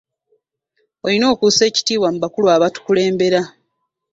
Oyina okussa ekitiibwa mu bakulu abatukulembera.